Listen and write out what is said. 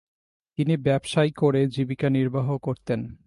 তিনি ব্যবসায় করে জীবিকা নির্বাহ করতেন।